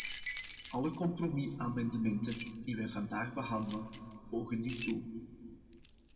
Alle compromisamendementen die wij vandaag behandelen, beogen dit doel.